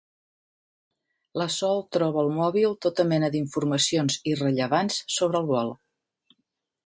La Sol troba al mòbil tota mena d'informacions irrellevants sobre el vol.